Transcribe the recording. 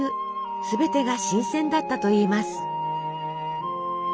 すべてが新鮮だったといいます。